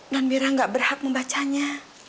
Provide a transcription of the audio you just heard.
non mira gak berhak membacanya